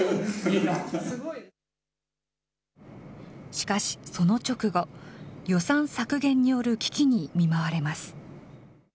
しかし、その直後、予算削減による危機に見舞われます。